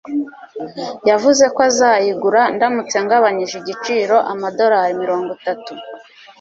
yavuze ko azayigura, ndamutse ngabanije igiciro amadolari mirongo itatu.